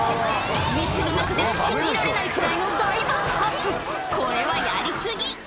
店の中で信じられないくらいのこれはやり過ぎ！